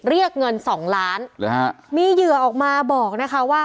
เรียกเงินสองล้านหรือฮะมีเหยื่อออกมาบอกนะคะว่า